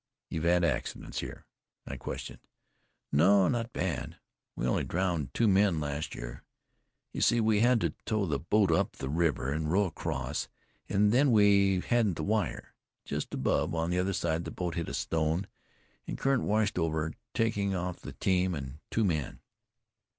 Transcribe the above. "You've had bad accidents here?" I questioned. "No, not bad. We only drowned two men last year. You see, we had to tow the boat up the river, and row across, as then we hadn't the wire. Just above, on this side, the boat hit a stone, and the current washed over her, taking off the team and two men."